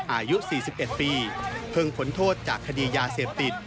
อายุ๔๑ปีเพิ่งพ้นโทษจากคดียาเสพติด